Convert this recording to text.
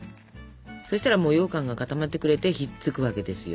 そしたらもうようかんが固まってくれてひっつくわけですよ。